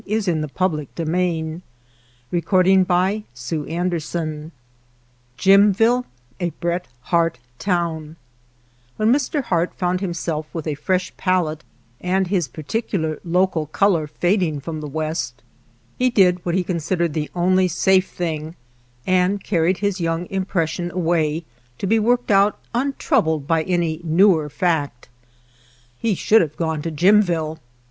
—^^ 4 ■■\ fi^; JIMVILLE A BRET HARTE TOWN JIMVILLE A BRET HARTE TOWN WHEN Mr. Harte found himself with a fresh palette and his particular local color fading from the West, he did what he considered the only safe thing, and carried his young impression away to be worked out untroubled by any newer fact. He should have gone to Jimville.